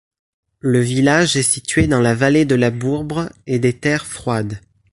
Le village est situé dans la vallée de la Bourbre et des Terres froides.